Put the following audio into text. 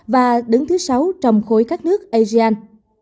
và đứng thứ sáu trong khối các nước asian